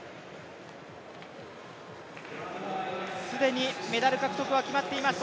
既にメダル獲得は決まっています